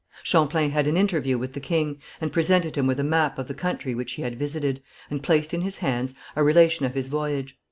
Champlain had an interview with the king, and presented him with a map of the country which he had visited, and placed in his hands a relation of his voyage.